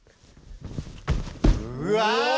うわ！